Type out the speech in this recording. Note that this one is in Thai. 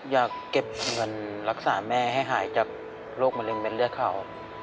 อยากเก็บเงินรักษาแม่ให้หายจากโรคมะเร็ดเลือดเขา